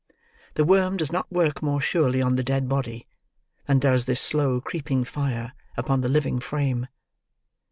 The worm does not work more surely on the dead body, than does this slow creeping fire upon the living frame.